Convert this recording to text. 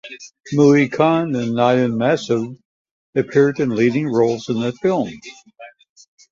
Moin Khan and Nyla Masood appeared in leading roles in the film.